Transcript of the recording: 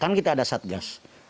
kan kita ada satgas